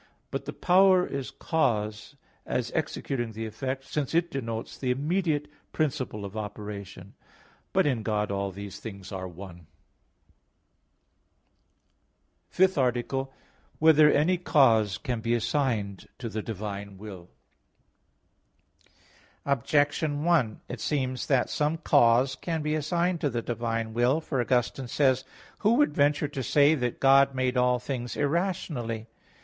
But the power is cause, as executing the effect, since it denotes the immediate principle of operation. But in God all these things are one. _______________________ FIFTH ARTICLE [I, Q. 19, Art. 5] Whether Any Cause Can Be Assigned to the Divine Will? Objection 1: It seems that some cause can be assigned to the divine will. For Augustine says (Qq. lxxxiii, 46): "Who would venture to say that God made all things irrationally?"